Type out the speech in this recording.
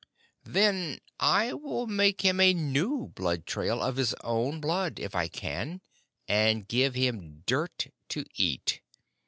"Then I will make him a new blood trail, of his own blood, if I can, and give him dirt to eat.